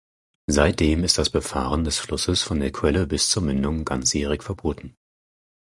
Seitdem ist das Befahren des Flusses von der Quelle bis zur Mündung ganzjährig verboten.